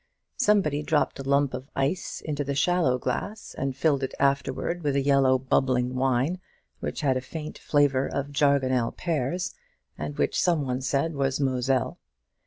Somebody dropped a lump of ice into the shallow glass, and filled it afterwards with a yellow bubbling wine, which had a faint flavour of jargonelle pears, and which some one said was Moselle.